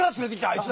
あいつ。